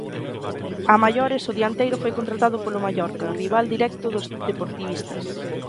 A maiores, o dianteiro foi contratado polo Mallorca, rival directo dos deportivistas.